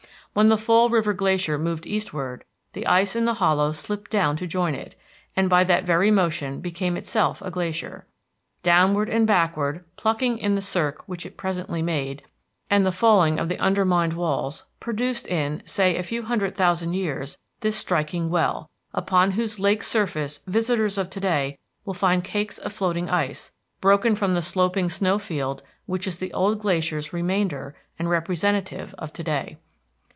When the Fall River Glacier moved eastward, the ice in the hollow slipped down to join it, and by that very motion became itself a glacier. Downward and backward plucking in the cirque which it presently made, and the falling of the undermined walls, produced in, say, a few hundred thousand years this striking well, upon whose lake's surface visitors of to day will find cakes of floating ice, broken from the sloping snow field which is the old glacier's remainder and representative of to day.